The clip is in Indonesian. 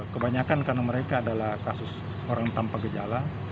kebanyakan karena mereka adalah kasus orang tanpa gejala